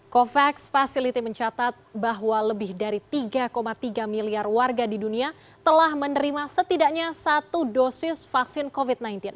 covax facility mencatat bahwa lebih dari tiga tiga miliar warga di dunia telah menerima setidaknya satu dosis vaksin covid sembilan belas